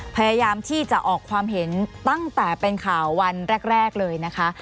พยายามที่จะออกความเห็นตั้งแต่เป็นข่าววันแรกเลยนะคะ